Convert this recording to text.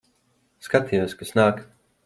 Skatījos, kas nāk.